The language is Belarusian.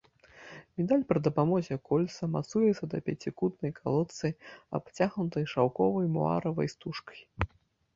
Медаль пры дапамозе кольца мацуецца да пяцікутнай калодцы, абцягнутай шаўковай муаравай стужкай.